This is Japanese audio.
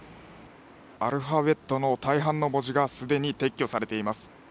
アルファベットの大半の文字が既に撤去されています。